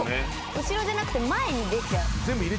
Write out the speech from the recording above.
後ろじゃなくて前に出ちゃう。